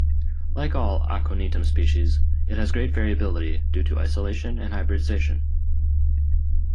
Like all "Aconitum" species, it has great variability, due to isolation and hybridisation.